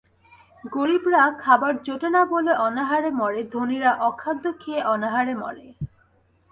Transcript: গরীবরা খাবার জোটে না বলে অনাহারে মরে, ধনীরা অখাদ্য খেয়ে অনাহারে মরে।